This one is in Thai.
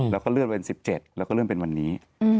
แล้วก็เลื่อนวัน๑๗แล้วก็เลื่อนเป็นวันนี้